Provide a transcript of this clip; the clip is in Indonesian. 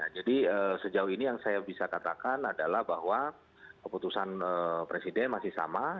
jadi sejauh ini yang saya bisa katakan adalah bahwa keputusan presiden masih sama